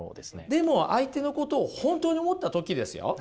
でも相手のことを本当に思った時ですよ